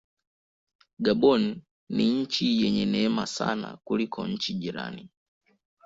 Gabon ni nchi yenye neema sana kuliko nchi jirani.